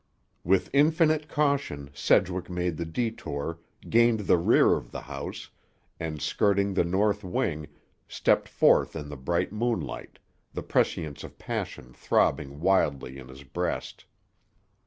With infinite caution, Sedgwick made the détour, gained the rear of the house, and skirting the north wing, stepped forth in the bright moonlight, the prescience of passion throbbing wildly in his breast.